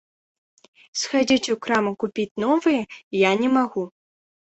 Схадзіць у краму купіць новыя я не магу.